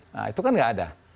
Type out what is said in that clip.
nah itu kan nggak ada